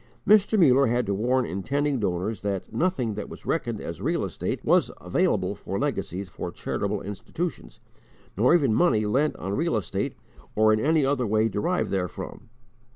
Mr. Muller had to warn intending donors that nothing that was reckoned as real estate was available for legacies for charitable institutions, nor even money lent on real estate or in any other way derived therefrom.